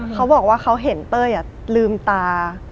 เขาบอกว่าเขาเห็นเต้ยลืมตา